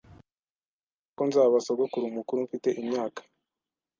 Birashoboka ko nzaba sogokuru mukuru mfite imyaka